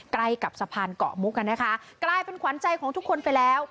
ใกล้กับสะพานเกาะมุกอ่ะนะคะกลายเป็นขวัญใจของทุกคนไปแล้ว